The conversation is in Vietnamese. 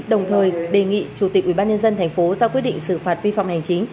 đồng thời đề nghị chủ tịch ubnd thành phố ra quyết định xử phạt vi phạm hành chính